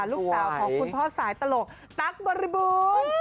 ลูกสาวของคุณพ่อสายตลกตั๊กบริบูรณ์